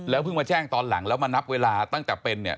เพิ่งมาแจ้งตอนหลังแล้วมานับเวลาตั้งแต่เป็นเนี่ย